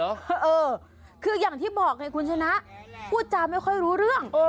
เออคืออย่างที่บอกไงคุณชนะพูดจาไม่ค่อยรู้เรื่อง